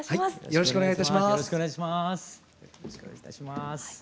よろしくお願いします。